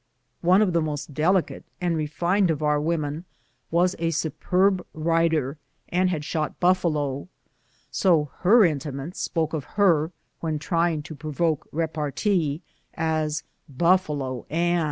One of the most delicate and refined of our women was a superb rider and had shot buffalo, so her intimates spoke of her, when trying to provoke repartee, as "Buf falo Ann."